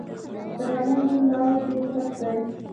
د غنمو لوو ډیر سخت دی